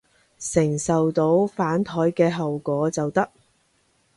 承受到反枱嘅後果就得